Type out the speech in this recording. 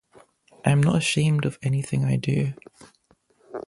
I'm not ashamed of anything I do.